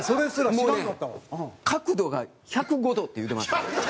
もうね角度が１０５度って言うてました。